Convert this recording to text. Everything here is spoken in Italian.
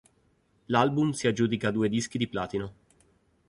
L'album si aggiudica due dischi di platino.